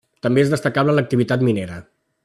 També és destacable l'activitat minera.